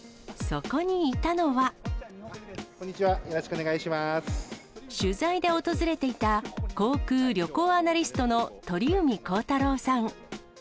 こんにちは、よろしくお願い取材で訪れていた、航空・旅行アナリストの鳥海高太朗さん。